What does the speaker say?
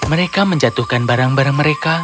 mereka menjatuhkan barang barang mereka